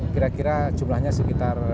kira kira jumlahnya sekitar